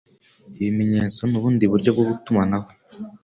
Ibimenyetso ni ubundi buryo bwo gutumanaho